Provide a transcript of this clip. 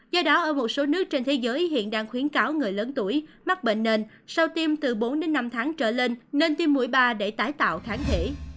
do đó ở một số nước trên thế giới hiện đang khuyến cáo người lớn tuổi mắc bệnh nền sau tiêm từ bốn đến năm tháng trở lên nên tiêm mũi ba để tái tạo kháng thể